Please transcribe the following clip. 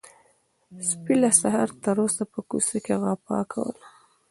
سپي له سهاره تر اوسه په کوڅه کې غپا کوله.